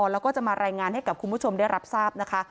แล้วก็จะมารายงานให้กับคุณผู้ชมได้รับทราบนะคะ